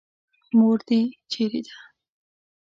مور دې چېرې ده.